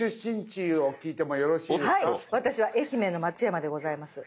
私は愛媛の松山でございます。